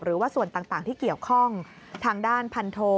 หรือว่าส่วนต่างที่เกี่ยวข้องทางด้านพันโท